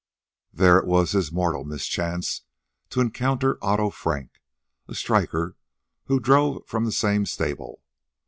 There it was his mortal mischance to encounter Otto Frank, a striker who drove from the same stable.